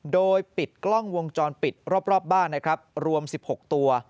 โดยปิดกล้องวงจรปิดรอบบ้านนะครับรวม๑๖ตัว